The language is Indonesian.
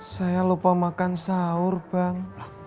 saya lupa makan sahur bang